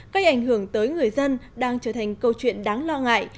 cách ảnh hưởng tới người dân đang trở thành câu chuyện đáng lo ngại